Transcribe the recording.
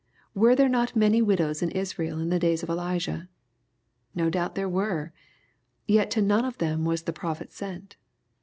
Were there not many widows in Israel in the days of Elijah ? No doubt there were. Yet to none of them was the prophet sent.